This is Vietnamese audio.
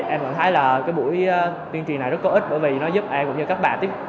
em thấy buổi tuyên truyền này rất có ích bởi vì nó giúp em và các bạn